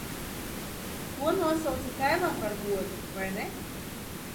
To nosauca tēvam par godu, vai ne?